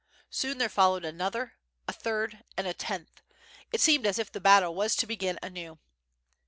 Soon there followed another, a third, and a tenth. It seemed as if the battle was to begin anew.